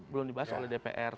belum dibahas oleh dpr